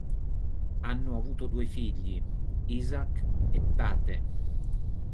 Hanno avuto due figli: Isaac e Tate.